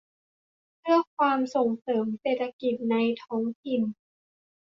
เพื่อความส่งเสริมเศรษฐกิจในท้องถิ่น